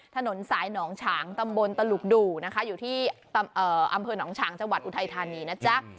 ถนนสายหนองฉางตำบลตลุกดู่นะคะอยู่ที่อำเภอหนองฉางจังหวัดอุทัยธานีนะจ๊ะ